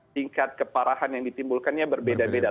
tingkat keparahan yang ditimbulkannya berbeda beda